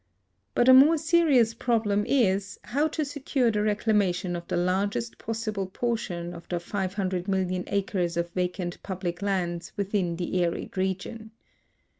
But a more serious problem is, how to secure the reclamation of the largest possible portion of the 500,000,000 acres of vacant public lands within the arid region.